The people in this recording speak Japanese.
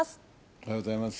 おはようございます。